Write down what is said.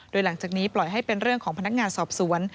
โดยหลังจากนี้ปล่อยให้เป็นเรื่องของพนักงานสอบสวน